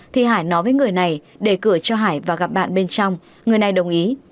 thì hải nói với người này để cửa cho hải và gặp bạn bên trong người này đồng ý